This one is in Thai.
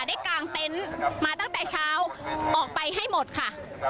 กลางเต็นต์มาตั้งแต่เช้าออกไปให้หมดค่ะ